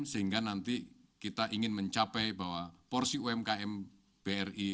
sehingga nanti kita ingin mencapai bahwa porsi umkm bri